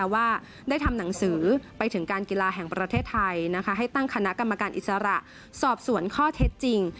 ว่าได้ทำหนังสือไปถึงการกีฬาแห่งประเทศไทยให้ตั้งคณะกรรมการอิสระสอบสวนข้อเท็จจริง